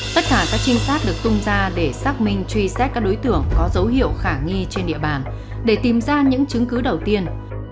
tất cả các trinh sát được tung ra để xác minh truy xét các đối tượng có dấu hiệu khả nghi trên địa bàn để tìm ra những chứng cứ đầu tiên